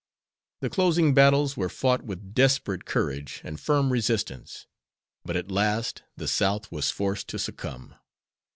The closing battles were fought with desperate courage and firm resistance, but at last the South was forced to succumb.